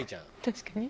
確かに。